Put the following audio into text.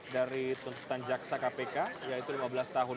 dari tuntutan jaksa kpk yaitu lima belas tahun